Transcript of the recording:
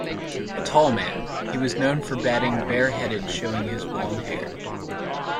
A tall man, he was known for batting bare-headed showing his blonde hair.